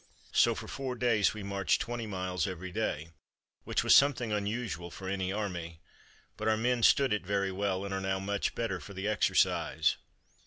So for four days we marched twenty miles every day, which was something unusual for any army, but our men stood it very well, and are now much better for the exercise.